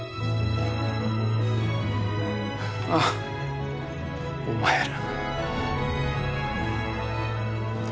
ああお前ら。